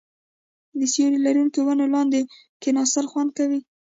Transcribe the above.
د سیوري لرونکو ونو لاندې کیناستل خوند کوي.